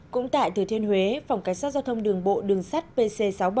cũng tại thừa thiên huế phòng cảnh sát giao thông đường bộ đường sắt pc sáu mươi bảy